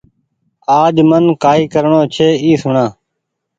آج من ڪآئي ڪرڻو ڇي اي سوڻآ